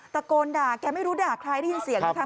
ตะโกนด่าแกไม่รู้ด่าใครได้ยินเสียงไหมคะ